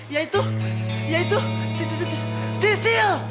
yaitu yaitu sisil